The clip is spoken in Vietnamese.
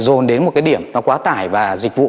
dồn đến một cái điểm nó quá tải và dịch vụ